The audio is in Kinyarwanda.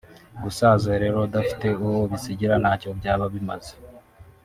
gusaza rero udafite uwo ubisigira ntacyo byaba bimaze